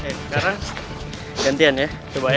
oke sekarang gantian ya coba ya